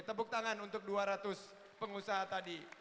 tepuk tangan untuk dua ratus pengusaha tadi